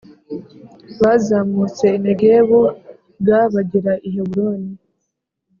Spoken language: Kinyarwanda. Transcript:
Bazamutse i Negebu g bagera i Heburoni